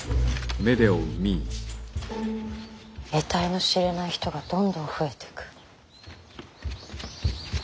えたいの知れない人がどんどん増えてく。